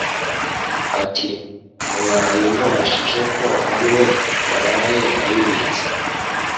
ati mwayimubajije ko ari we waraye ayibitse